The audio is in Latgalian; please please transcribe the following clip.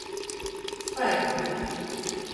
Spaituot.